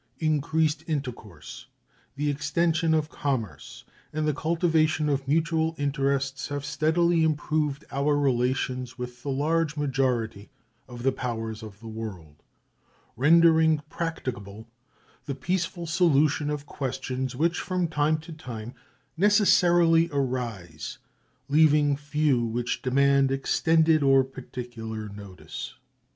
Increased intercourse, the extension of commerce, and the cultivation of mutual interests have steadily improved our relations with the large majority of the powers of the world, rendering practicable the peaceful solution of questions which from time to time necessarily arise, leaving few which demand extended or particular notice.